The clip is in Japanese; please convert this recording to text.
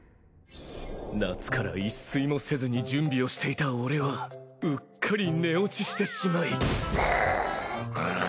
夏から一睡もせずに準備をしていた俺はうっかり寝落ちしてしまい。